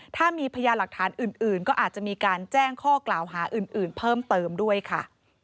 ถ้ามีพยานหลักฐานอื่นก็อาจจะมีการแจ้งข้อกล่าวหาอื่นเพิ่มเติมด้วยค่ะ